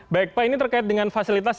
baik pak ini terkait dengan fasilitas